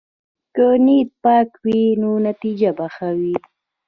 که نیت پاک وي، نو نتیجه به ښه وي.